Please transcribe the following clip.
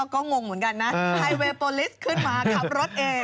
ก็งงเหมือนกันนะไฮเวร์โปรลีสต์ขึ้นมาขับแล้ว